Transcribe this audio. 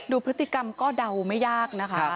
ดูพฤติกรรมก็เดาไม่ยากนะคะ